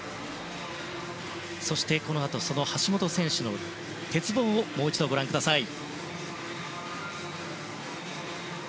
そしてこのあと橋本選手の鉄棒をもう一度ご覧ください。